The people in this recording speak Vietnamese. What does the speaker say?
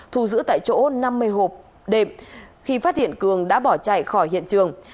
thu giữ tại chỗ năm mươi hộp đệm khi phát hiện cường đã bỏ chạy khỏi hiện trường